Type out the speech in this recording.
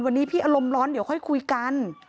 วันนี้พี่อารมณ์ร้อนเดี๋ยวค่อยคุยกัน